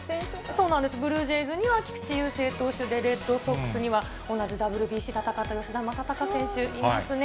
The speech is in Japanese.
そうなんです、ブルージェイズには菊池雄星投手で、レッドソックスには、同じＷＢＣ戦った吉田正尚選手いますね。